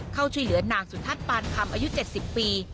เข้าช่วยเหลือนางสุทัศน์ปานคำอายุ๗๐ปี